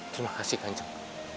terima kasih kanjeng